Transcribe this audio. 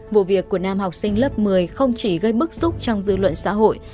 vụ việc của nam học sinh lớp một mươi không chỉ gây bức xúc trong dư luận xã hội